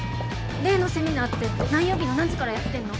例のセミナーって何曜日の何時からやってんの？